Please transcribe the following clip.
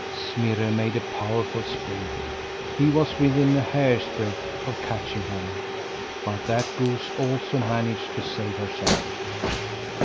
Smirre made a powerful spring! He was within a hair's breadth of catching her; but that goose also managed to save herself.